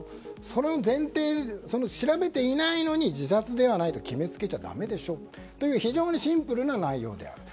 それを調べてないのに自殺ではないかと決めつけちゃだめでしょという非常にシンプルな内容であると。